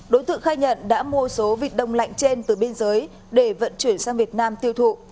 đối tượng khai nhận đã mua số vịt đông lạnh trên từ biên giới để vận chuyển sang việt nam tiêu thụ